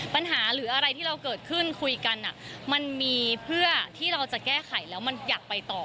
ปัญหาหรืออะไรที่เราเกิดขึ้นคุยกันมันมีเพื่อที่เราจะแก้ไขแล้วมันอยากไปต่อ